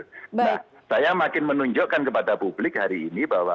nah saya makin menunjukkan kepada publik hari ini bahwa